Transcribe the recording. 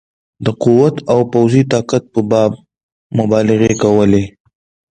د قوت او پوځي طاقت په باب مبالغې کولې.